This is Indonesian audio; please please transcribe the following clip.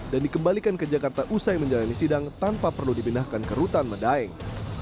dan dikembalikan ke jakarta usai menjalani sidang tanpa perlu dipindahkan ke rutan medaeng